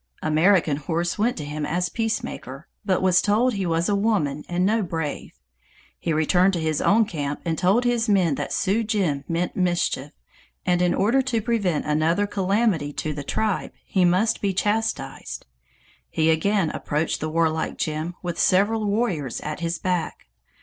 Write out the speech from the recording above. American Horse went to him as peacemaker, but was told he was a woman and no brave. He returned to his own camp and told his men that Sioux Jim meant mischief, and in order to prevent another calamity to the tribe, he must be chastised. He again approached the warlike Jim with several warriors at his back.